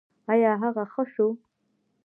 ایا هغه ښه شو؟